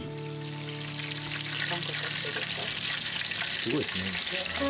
すごいですね。